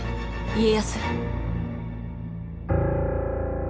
家康。